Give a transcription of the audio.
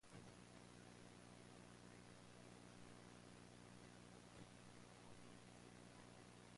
Bowdern becomes convinced that Robbie must undergo treatment.